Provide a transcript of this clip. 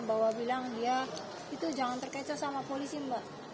bahwa bilang dia itu jangan terkecoh sama polisi mbak